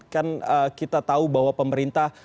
kan kita tahu bahwa pemerintah